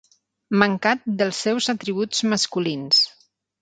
Mancat dels seus atributs masculins.